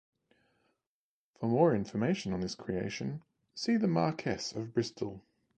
For more information on this creation, see the Marquess of Bristol.